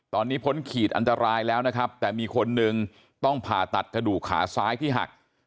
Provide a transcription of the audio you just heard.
ตอนนี้พ้นขีดอันตรายแล้วนะครับแต่มีคนหนึ่งต้องผ่าตัดกระดูกขาซ้ายที่หัก